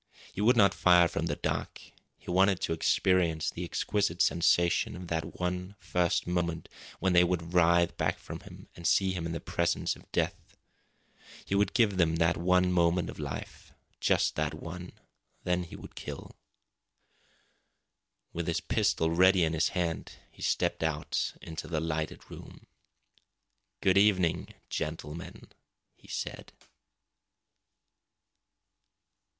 He would not fire from the dark. He wanted to experience the exquisite sensation of that one first moment when they would writhe back from him, and see in him the presence of death. He would give them that one moment of life just that one. Then he would kill. With his pistol ready in his hand he stepped out into the lighted room. "Good evening, gentlemen!" he said.